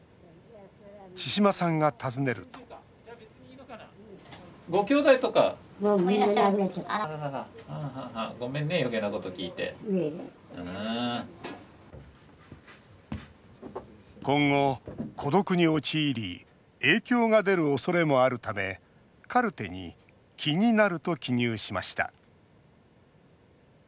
千嶋さんが尋ねると今後、孤独に陥り影響が出るおそれもあるためカルテに「きになる」と記入しました。